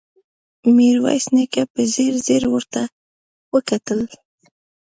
ميرويس نيکه په ځير ځير ورته وکتل.